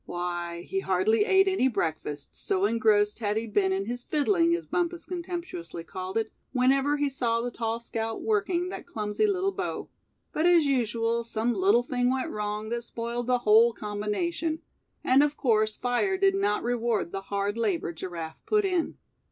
Why, he hardly ate any breakfast, so engrossed had he been in his "fiddling" as Bumpus contemptuously called it, whenever he saw the tall scout working that clumsy little bow. But as usual, some little thing went wrong that spoiled the whole combination; and of course fire did not reward the hard labor Giraffe put in.